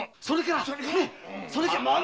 それからそれから？